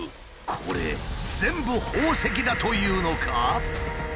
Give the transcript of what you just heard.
これ全部宝石だというのか！？